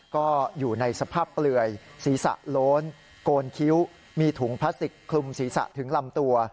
ก็อยู่ในสภาพเปลือยศีรษะโล้นโกนคิ้วมีถุงพลาสติกคลุมศีรษะถึงลำตัว